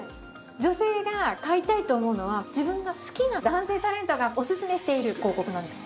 女性が買いたいと思うのは自分が好きな男性タレントがおすすめしている広告なんです。